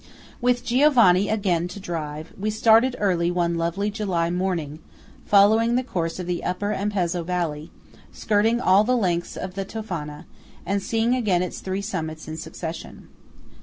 With Giovanni again to drive, we started early one lovely July morning, following the course of the Upper Ampezzo valley, skirting all the length of the Tofana, and seeing its three summits in succession.